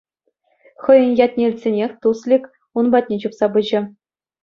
Хӑйӗн ятне илтсенех Туслик ун патне чупса пычӗ.